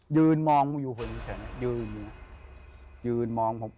ยืนมองอยู่คนหนึ่งแสดงยืนมองผม